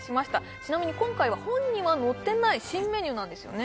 ちなみに今回は本には載ってない新メニューなんですよね？